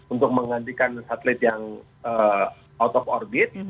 untuk menggantikan satelit yang out of orbit